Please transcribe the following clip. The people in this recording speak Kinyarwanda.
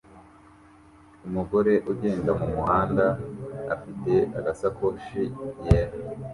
Umugore ugenda mumuhanda afite agasakoshi yera